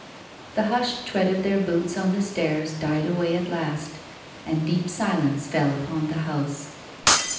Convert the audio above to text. The hushed tread of their boots on the stairs died away at last, and deep silence fell upon the house.